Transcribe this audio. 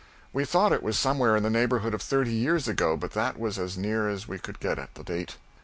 We thought it was somewhere in the neighborhood of thirty years ago, but that was as near as we could get at the date.